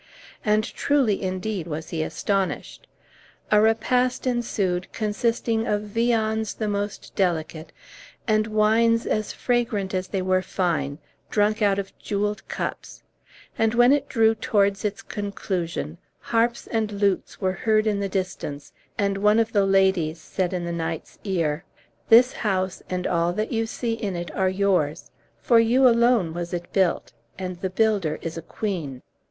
And truly indeed was he astonished. A repast ensued, consisting of viands the most delicate, and wines as fragrant as they were fine, drunk out of jewelled cups; and, when it drew towards its conclusion, harps and lutes were heard in the distance, and one of the ladies said in the knight's ear: "This house and all that you see in it are yours; for you alone was it built, and the builder is a queen.